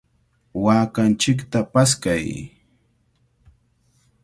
¡Waakanchikta paskay!